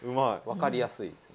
分かりやすいです。